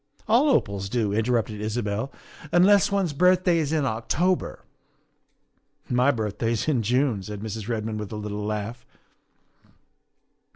"All opals do," interrupted Isabel, " unless one's birthday is in October." " My birthday is in June," said Mrs. Redmond with a little laugh.